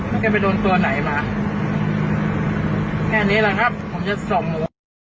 แล้วแกไปโดนตัวไหนมาแค่นี้แหละครับผมจะส่งหมู